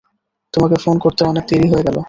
তোমাকে ফোন করতে অনেক দেরি হয়ে গেল।